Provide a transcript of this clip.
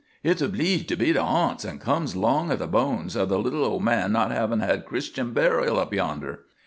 "Hit's obleeged to be the harnts, an' comes 'long o' the bones o' the little old man not havin' had Christian burial up yonder."